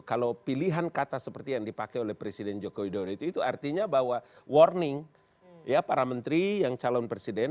kalau pilihan kata seperti yang dipakai oleh presiden joko widodo itu artinya bahwa warning ya para menteri yang calon presiden